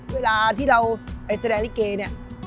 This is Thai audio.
เวลาที่เราไปแสดงลิเกเนี่ย